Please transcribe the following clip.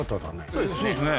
そうですね。